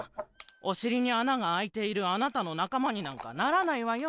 おしりにあながあいているあなたのなかまになんかならないわよ。